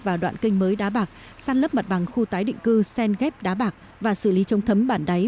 vào đoạn kênh mới đá bạc săn lấp mặt bằng khu tái định cư sen ghép đá bạc và xử lý trông thấm bản đáy